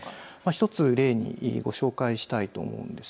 １つ例にご紹介したいと思います。